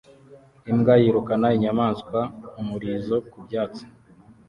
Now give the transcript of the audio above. Imbwa yirukana inyamaswa umurizo ku byatsi